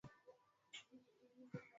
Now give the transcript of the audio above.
Misemo imeshanenwa kwa wingi siku ya leo.